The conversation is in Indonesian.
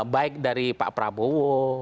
baik dari pak prabowo